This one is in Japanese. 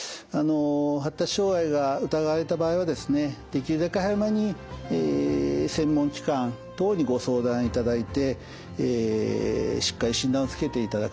発達障害が疑われた場合はですねできるだけ早めに専門機関等にご相談いただいてしっかり診断をつけていただくと。